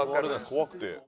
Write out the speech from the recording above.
怖くて。